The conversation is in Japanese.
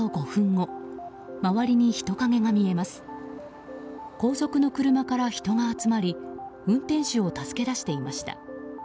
後続の車から人が集まり運転手を助け出していました。